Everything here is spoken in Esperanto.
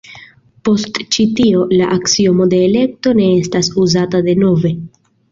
Post ĉi tio, la aksiomo de elekto ne estas uzata denove.